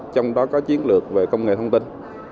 trong đó có chiến lược về công nghệ thông tin